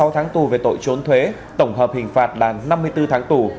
hai mươi sáu tháng tù về tội trốn thuế tổng hợp hình phạt là năm mươi bốn tháng tù